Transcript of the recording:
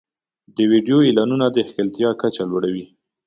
د ویډیو اعلانونه د ښکېلتیا کچه لوړوي.